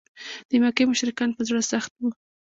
د مکې مشرکان په زړه سخت و.